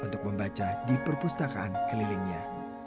untuk membaca di perpustakaan kelilingnya